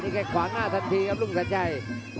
แค่ขวางหน้าทันทีครับลุงสัญชัย